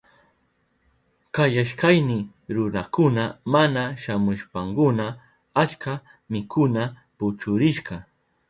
Kayashkayni runakuna mana shamushpankuna achka mikuna puchurishka.